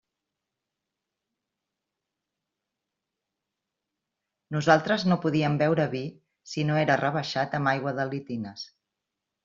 Nosaltres no podíem beure vi si no era rebaixat amb aigua de litines.